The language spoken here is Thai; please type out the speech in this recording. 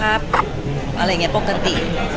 อ่าคุณแม่ยังไงบ้างครับพี่เซ้น